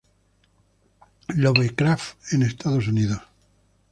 Lovecraft de Estados Unidos.